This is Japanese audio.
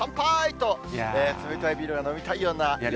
と、冷たいビールが飲みたいような。